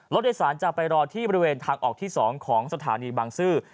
รถโดยสารจะไปรอที่บริเวณทางออกที่๒ของสถานีบางซื่อ